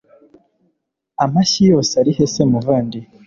Amashyi yose arihe se muvandi